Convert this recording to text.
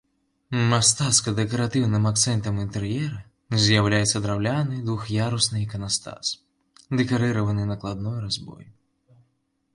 Мастацка-дэкаратыўным акцэнтам інтэр'ера з'яўляецца драўляны двух'ярусны іканастас, дэкарыраваны накладной разьбой.